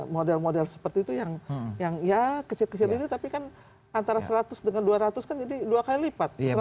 model model seperti itu yang ya kecil kecil ini tapi kan antara seratus dengan dua ratus kan jadi dua kali lipat